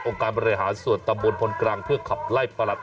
การบริหารส่วนตำบลพลกรังเพื่อขับไล่ประหลัด